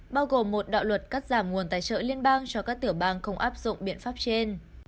bao gồm một đạo luật cắt giảm nguồn tài trợ liên bang cho các tiểu bang không áp dụng biện pháp trên